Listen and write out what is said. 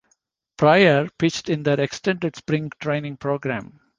Prior pitched in their extended spring training program.